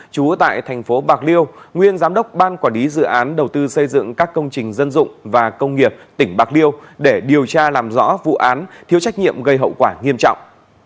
chú tại thành phố bạc liêu nguyên giám đốc ban quản lý dự án đầu tư xây dựng các công trình dân dụng và công nghiệp tỉnh bạc liêu để điều tra làm rõ vụ án thiếu trách nhiệm gây hậu quả nghiêm trọng